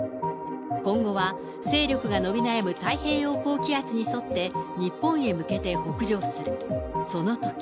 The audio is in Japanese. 今後は勢力が伸び悩む太平洋高気圧に沿って、日本へ向けて北上する。